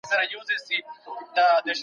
د تاودينه سفرونه هم ارزښت لري.